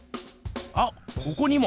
あっここにも！